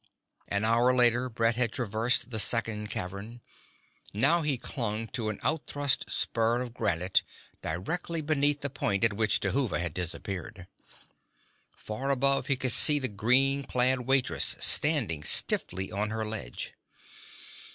An hour later Brett had traversed the second cavern. Now he clung to an outthrust spur of granite directly beneath the point at which Dhuva had disappeared. Far above he could see the green clad waitress standing stiffly on her ledge.